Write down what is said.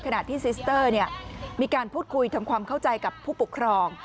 ขณะที่ซิสเตอร์มีการพูดคุยทำความเข้าใจกับผู้ปกครอง